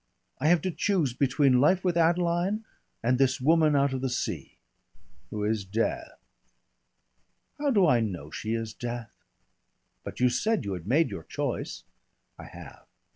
I have to choose between life with Adeline and this woman out of the sea." "Who is Death." "How do I know she is Death?" "But you said you had made your choice!" "I have."